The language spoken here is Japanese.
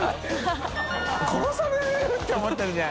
殺される！」って思ってるね。